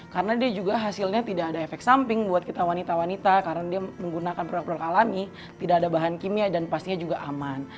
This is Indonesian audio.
karena dia juga hasilnya tidak ada efek samping buat kita wanita wanita karena dia menggunakan produk produk alami tidak ada bahan kimia dan pastinya juga aman